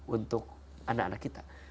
untuk anak anak kita